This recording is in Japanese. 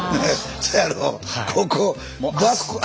そやろ？